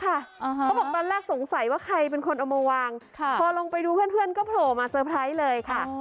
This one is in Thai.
เขาบอกตอนแรกสงสัยว่าใครเป็นคนเอามาวางพอลงไปดูเพื่อนก็โผล่มาเตอร์ไพรส์เลยค่ะ